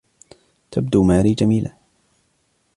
تبدو ماري جميلة.